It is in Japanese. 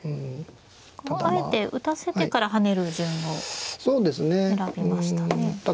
あえて打たせてから跳ねる順を選びましたね。